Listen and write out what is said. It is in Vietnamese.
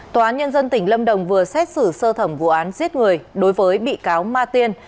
tòa án nhân dân tỉnh lâm đồng vừa xét xử sơ thẩm vụ án giết người đối với bị cáo ma tiên